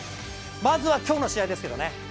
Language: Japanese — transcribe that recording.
まずは今日の試合ですけどね。